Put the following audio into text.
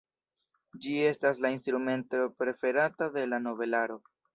Ĝi estas la instrumento preferata de la nobelaro.